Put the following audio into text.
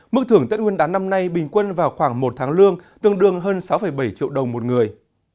mức thưởng tết nguyên đán năm nay bình quân vào khoảng một tháng lương tương đương hơn sáu bảy triệu đồng một người